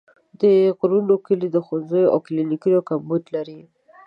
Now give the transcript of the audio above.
د غرونو کلي د ښوونځیو او کلینیکونو کمبود لري.